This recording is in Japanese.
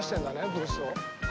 ブースを。